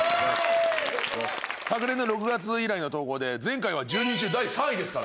昨年の６月以来の登校で前回は１０人中第３位ですから。